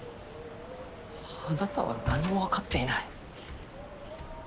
あなたは何も分かっていない。